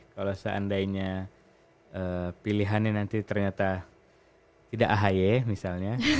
kalau seandainya pilihan ini nanti ternyata tidak ahy misalnya